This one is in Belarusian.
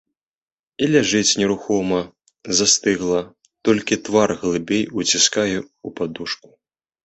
І ляжыць нерухома, застыгла, толькі твар глыбей уціскае ў падушку.